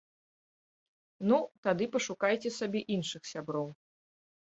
Ну, тады пашукайце сабе іншых сяброў!